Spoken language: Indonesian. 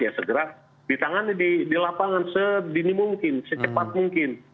ya segera ditangani di lapangan sedini mungkin secepat mungkin